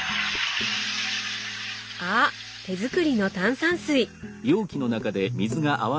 あ手作りの炭酸水！